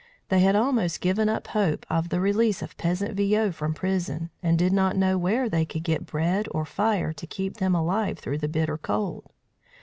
They had almost given up hope of the release of peasant Viaud from prison, and did not know where they could get bread or fire to keep them alive through the bitter cold.